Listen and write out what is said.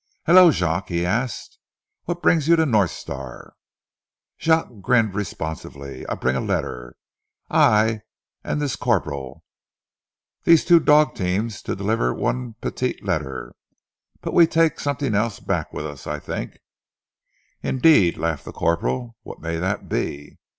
"Hallo, Jacques," he asked, "what brings you to North Star?" Jacques grinned responsively. "I bring a letter I and dese, Co'pral. Yees two dog teams to deleever one petite lettre. But we take sometings else back weeth us, I tink." "Indeed!" laughed the corporal. "What may that be?"